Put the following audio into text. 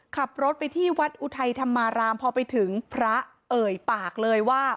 ขับรถไปที่วัดอุทัยธรรมารามพอไปถึงพระเอ่ยปากเลยว่า